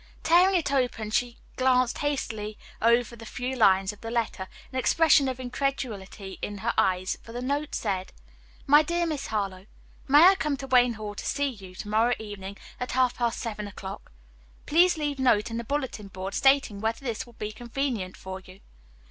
Tearing it open, she glanced hastily over the few lines of the letter, an expression of incredulity in her eyes, for the note said: "MY DEAR MISS HARLOWE: "May I come to Wayne Hall to see you to morrow evening at half past seven o'clock? Please leave note in the bulletin board stating whether this will be convenient for you.